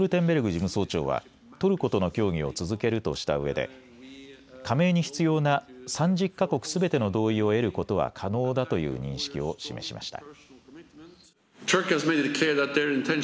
事務総長はトルコとの協議を続けるとしたうえで加盟に必要な３０か国すべての同意を得ることは可能だという認識を示しました。